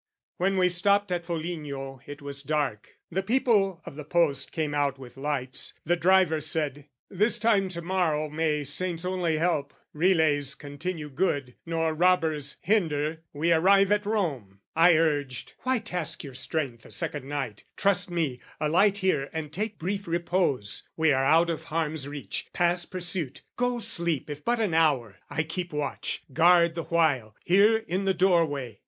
When we stopped at Foligno it was dark. The people of the post came out with lights: The driver said, "This time to morrow, may "Saints only help, relays continue good, "Nor robbers hinder, we arrive at Rome." I urged, "Why tax your strength a second night? "Trust me, alight here and take brief repose! "We are out of harm's reach, past pursuit: go sleep "If but an hour! I keep watch, guard the while "Here in the doorway."